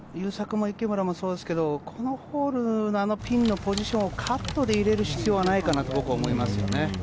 このホールの、あのピンのポジションはカットで入れる必要はないかなと僕は思いますね。